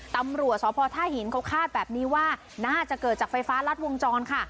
ตำรวจสพท่าหินเขาคาดแบบนี้ว่าน่าจะเกิดจากไฟฟ้ารัดวงจรค่ะ